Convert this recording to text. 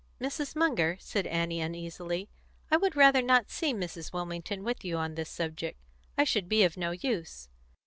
"Mrs. Munger," said Annie uneasily, "I would rather not see Mrs. Wilmington with you on this subject; I should be of no use."